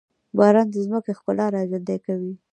باران د ځمکې ښکلا راژوندي کوي.